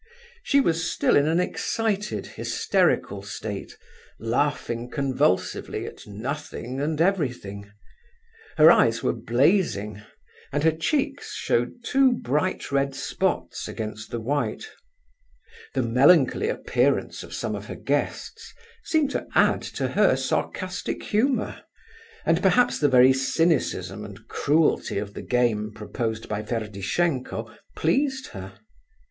She was still in an excited, hysterical state, laughing convulsively at nothing and everything. Her eyes were blazing, and her cheeks showed two bright red spots against the white. The melancholy appearance of some of her guests seemed to add to her sarcastic humour, and perhaps the very cynicism and cruelty of the game proposed by Ferdishenko pleased her.